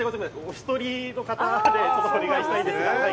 お１人の方でお願いしたいんですが。